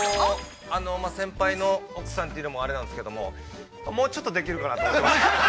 ◆先輩の奥さんというのもあれなんですけれども、もうちょっとできるかなと。